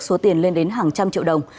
số tiền lên đến hàng trăm triệu đồng